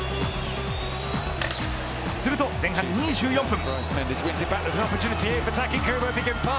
すると前半２４分。